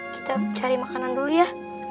kita cari makanan dulu ya